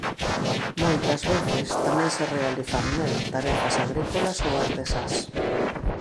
Moitas veces tamén se realizan nel tarefas agrícolas ou artesás.